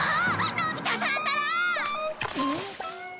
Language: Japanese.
のび太さんったら！